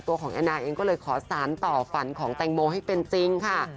ตัวของแอนนาเองก็เลยขอสารต่อฝันของแตงโมให้เป็นจริงค่ะ